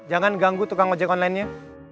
jangan ganggu tukang ojek online nya